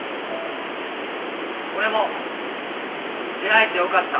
俺も出会えてよかった。